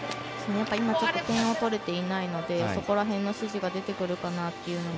今、点を取れていないのでそこら辺の指示が出てくるかなと。